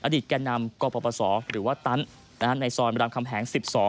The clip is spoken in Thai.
อดีตแก่นำกพศหรือว่าตั๊นในซอยบรรดามคำแหง๑๒